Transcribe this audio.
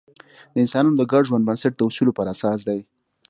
د انسانانو د ګډ ژوند بنسټ د اصولو پر اساس دی.